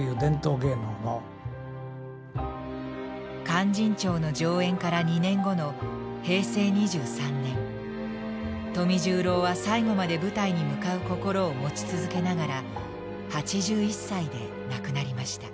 「勧進帳」の上演から２年後の平成２３年富十郎は最後まで舞台に向かう心を持ち続けながら８１歳で亡くなりました。